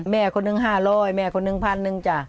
แม่คนหนึ่ง๕๐๐แม่คนหนึ่ง๑๐๐๐จ้ะ